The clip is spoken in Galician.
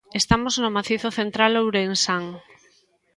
Estamos no Macizo Central Ourensán.